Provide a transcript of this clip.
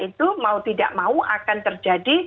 itu mau tidak mau akan terjadi